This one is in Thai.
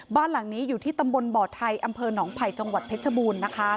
บ้านหลังนี้อยู่ที่ตำบลบอดไทยอำเภอหนองไผ่จเพชรบูรณ์